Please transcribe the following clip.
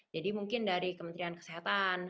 jadi mungkin dari kementerian kesehatan